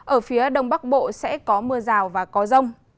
ở phía đông bắc bộ sẽ có mưa rào và có rông